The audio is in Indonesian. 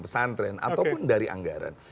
pesantren ataupun dari anggaran